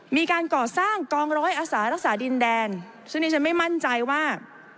มีการก่อสร้างกองร้อยอาสารักษาดินแดนซึ่งดิฉันไม่มั่นใจว่า